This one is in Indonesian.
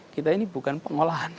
kita ini bukan pengolahan